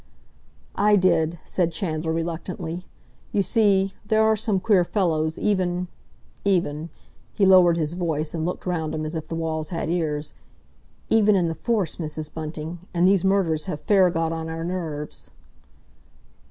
"I did," said Chandler reluctantly. "You see, there are some queer fellows even—even—" (he lowered his voice, and looked round him as if the walls had ears)—"even in the Force, Mrs. Bunting, and these murders have fair got on our nerves."